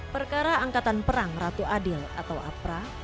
perkara angkatan perang ratu adil atau apra